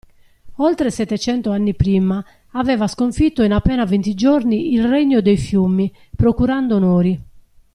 Oltre settecento anni prima, aveva sconfitto in appena venti giorni il regno dei fiumi procurando onori.